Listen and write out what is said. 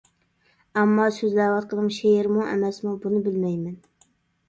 ئەمما سۆزلەۋاتقىنىم شېئىرمۇ ئەمەسمۇ بۇنى بىلمەيمەن.